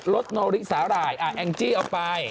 รถโนริสสาหร่ายอ่ะแองจี้เอาไป